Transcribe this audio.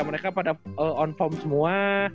mereka pada on form semua